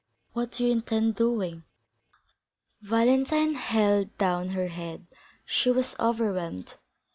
What do you intend doing?" Valentine held down her head; she was overwhelmed.